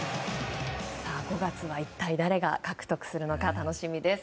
５月は一体誰が獲得するのか楽しみです。